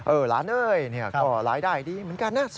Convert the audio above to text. หลานเอ้ยก็รายได้ดีเหมือนกันนะ